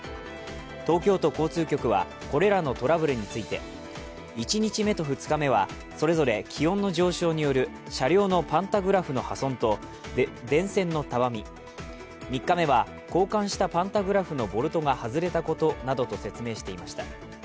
東京都交通局はこれらのトラブルについて１日目と２日目はそれぞれ気温の上昇による車両のパンタグラフの破損と電線のたわみ、３日目は交換したパンタグラフのボルトが外れたことなどと説明していました。